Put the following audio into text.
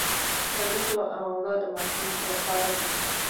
د وریجو اوړه د ماشوم لپاره دي.